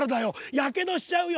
やけどしちゃうよ」。